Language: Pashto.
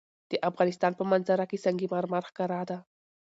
د افغانستان په منظره کې سنگ مرمر ښکاره ده.